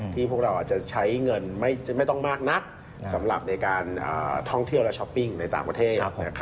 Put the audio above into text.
พวกเราอาจจะใช้เงินไม่ต้องมากนักสำหรับในการท่องเที่ยวและช้อปปิ้งในต่างประเทศ